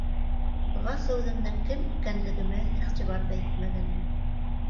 Бығаса үҙемдең кем икәнлегемә иғтибар ҙа итмәгәнмен.